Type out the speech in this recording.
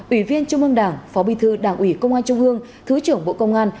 ủy viên trung ương đảng phó bí thư đảng ủy công an trung ương thứ trưởng bộ công an